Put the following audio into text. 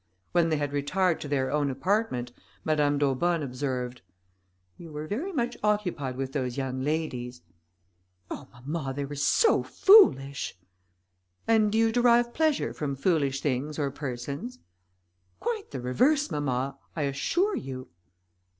When they had retired to their own apartment, Madame d'Aubonne observed, "You were very much occupied with those young ladies." "Oh! mamma, they were so foolish." "And do you derive pleasure from foolish things or persons?" "Quite the reverse, mamma, I assure you."